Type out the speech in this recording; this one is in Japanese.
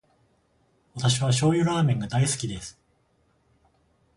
私は醤油ラーメンが大好きです。